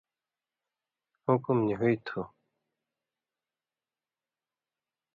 حُکُم نی ہُوئ تھُو،